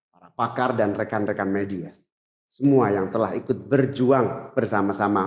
para pakar dan rekan rekan media semua yang telah ikut berjuang bersama sama